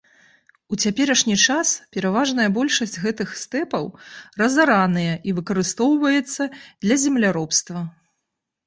У цяперашні час пераважная большасць гэтых стэпаў разараныя і выкарыстоўваецца для земляробства.